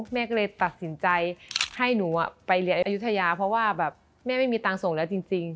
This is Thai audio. แม่ก็เลยตัดสินใจให้หนูไปเรียนอายุทยาเพราะว่าแบบแม่ไม่มีตังค์ส่งแล้วจริง